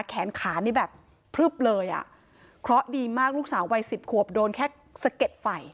แขนขานี่แบบพลึบเลยอ่ะเคราะห์ดีมากลูกสาววัยสิบขวบโดนแค่สะเก็ดไฟ